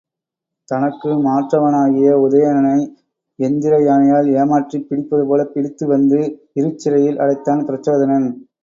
தனக்கு மாற்றவனாகிய உதயணனை எந்திர யானையால் ஏமாற்றிப் பிடிப்பதுபோலப் பிடித்து வந்து இருட்சிறையில் அடைத்தான் பிரச்சோதனன்.